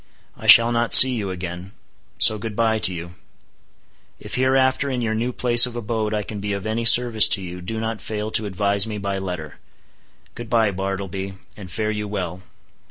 I shall not see you again; so good bye to you. If hereafter in your new place of abode I can be of any service to you, do not fail to advise me by letter. Good bye, Bartleby, and fare you well."